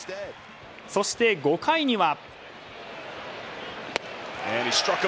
そして、５回には。